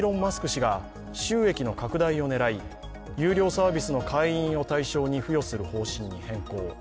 氏が収益の拡大を狙い有料サービスの会員を対象に付与する方針に変更。